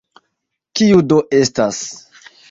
Kiu do estas?